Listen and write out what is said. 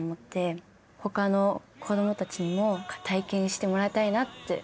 他の子どもたちにも体験してもらいたいなって。